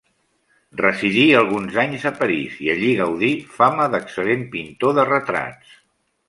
Residí alguns anys a París, i allí gaudí fama d'excel·lent pintor de retrats.